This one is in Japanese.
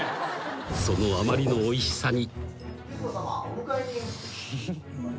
［そのあまりのおいしさに］